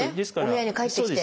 お部屋に帰ってきて。